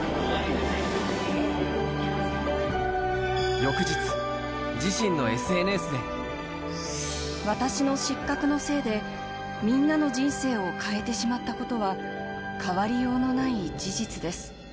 翌日、私の失格のせいで、みんなの人生を変えてしまったことは、変わりようのない事実です。